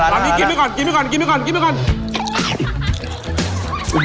อันนี้กินไม่ก่อน